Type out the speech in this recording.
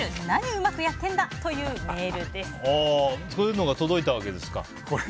何うまくなってんだ！というそういうのが届いたわけですか。